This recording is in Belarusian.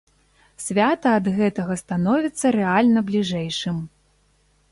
Свята ад гэтага становіцца рэальна бліжэйшым.